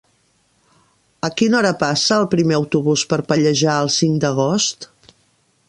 A quina hora passa el primer autobús per Pallejà el cinc d'agost?